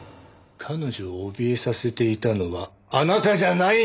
彼女をおびえさせていたのはあなたじゃないんですか？